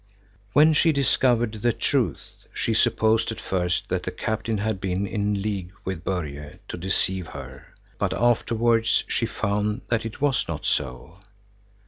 When she discovered the truth, she supposed at first that the captain had been in league with Börje to deceive her, but afterwards she found that it was not so.